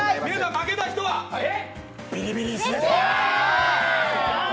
負けた人はビリビリ椅子です。